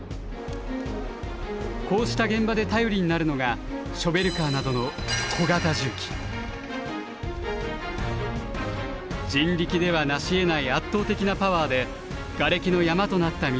こうした現場で頼りになるのがショベルカーなどの人力では成しえない圧倒的なパワーでガレキの山となった道を開き。